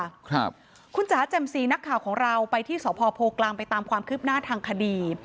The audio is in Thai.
ครับคุณจ๋าแจ่มสีนักข่าวของเราไปที่สพโพกลางไปตามความคืบหน้าทางคดี